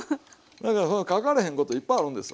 だから書かれへんこといっぱいあるんですわ。